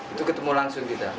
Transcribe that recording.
itu ketemu langsung kita